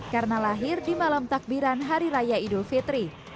karena lahir di malam takbiran hari raya idul fitri